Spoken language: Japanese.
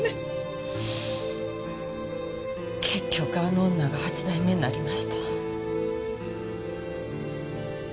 結局あの女が八代目になりました。